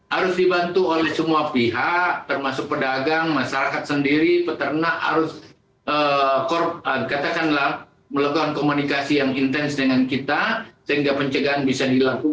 harus dibantu oleh semua pihak termasuk pedagang masyarakat sendiri peternak harus katakanlah melakukan komunikasi yang intens dengan kita sehingga pencegahan bisa dilakukan